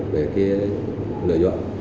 để cái lợi dọn